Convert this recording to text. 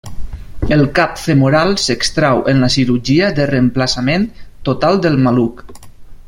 El cap femoral s'extrau en la cirurgia de reemplaçament total de maluc.